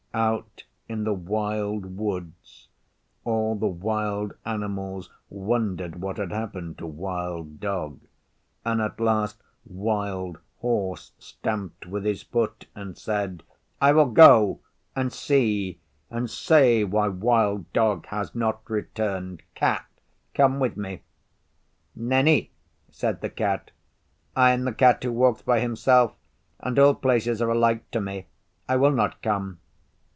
Out in the Wild Woods all the wild animals wondered what had happened to Wild Dog, and at last Wild Horse stamped with his foot and said, 'I will go and see and say why Wild Dog has not returned. Cat, come with me.' 'Nenni!' said the Cat. 'I am the Cat who walks by himself, and all places are alike to me. I will not come.